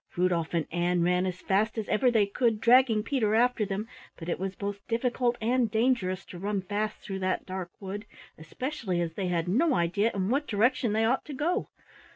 Rudolf and Ann ran as fast as ever they could, dragging Peter after them, but it was both difficult and dangerous to run fast through that dark wood, especially as they had no idea in what direction they ought to go.